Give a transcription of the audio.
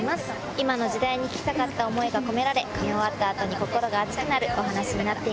今の時代に聞きたかった思いが込められ見終わった後に心が熱くなるお話になっています。